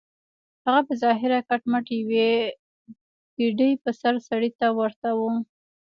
هغه په ظاهره کټ مټ يوې کډې پر سر سړي ته ورته و.